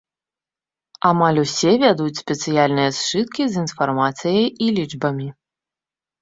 Амаль усе вядуць спецыяльныя сшыткі з інфармацыяй і лічбамі.